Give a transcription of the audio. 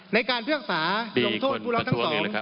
ในการเพื่อกษาลงโทษผู้ร้องทั้งสอง